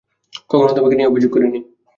কখনো তোমাকে নিয়ে অভিযোগ করেনি।